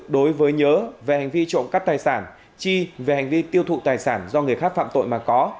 đối với nhớ về hành vi trộm cắp tài sản chi về hành vi tiêu thụ tài sản do người khác phạm tội mà có